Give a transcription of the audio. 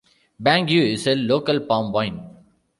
"Bangui" is a local palm wine.